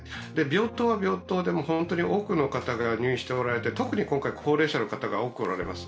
病棟は病棟で本当に多くの方が入院しておられて特に今回、高齢者の方が多くおられます。